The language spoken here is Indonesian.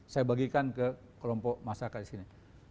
saya bagikan ke kelompok masyarakat di sini